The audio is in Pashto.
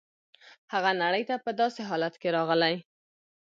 هغه نړۍ ته په داسې حالت کې راغلی.